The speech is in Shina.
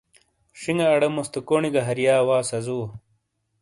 شِینگے اڑے موس تھے کونْی گہ ہرََیا وا سہ زُوو۔